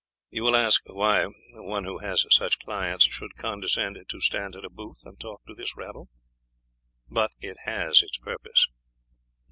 You will ask why one who has such clients should condescend to stand at a booth and talk to this rabble; but it has its purpose.